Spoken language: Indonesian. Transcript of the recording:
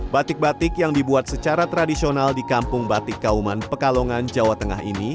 batik batik yang dibuat secara tradisional di kampung batik kauman pekalongan jawa tengah ini